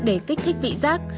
để kích thích vị giác